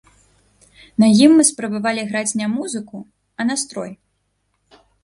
На ім мы спрабавалі граць не музыку, а настрой.